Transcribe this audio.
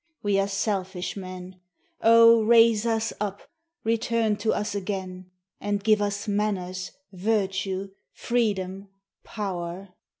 We are selfish men ; Oh ! raise us up, return to us again ; And give us manners, virtue, freedom, power.